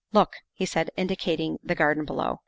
'' Look, '' he said, indicating the garden below.